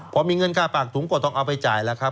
พอมีเงินค่าปากถุงก็ต้องเอาไปจ่ายแล้วครับ